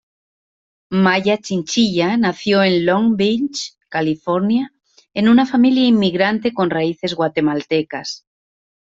Maya Chinchilla nació en Long Beach, California en una familia inmigrante con raíces guatemaltecas.